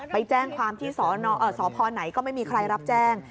ไปแจ้งความที่สพไหนก็ไม่มีใครรับแจ้ง